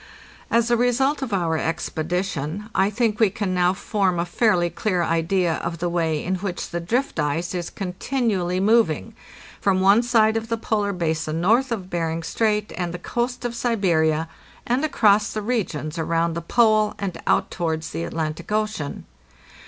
As a result of our expedition, I think we can now form a fairly clear idea of the way in which the drift ice is continually moving from one side of the polar basin north of Bering Strait and the coast of Siberia, and across the regions around the Pole, and out towards the Atlantic Ocean.